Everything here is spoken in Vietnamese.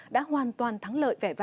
đã hoàn toàn thắng